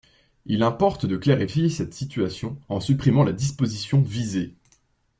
Il importe de clarifier cette situation en supprimant la disposition visée.